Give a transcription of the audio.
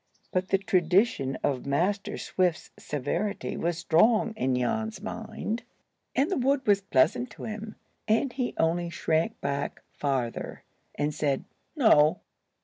But the tradition of Master Swift's severity was strong in Jan's mind, and the wood was pleasant to him, and he only shrank back farther, and said, "No."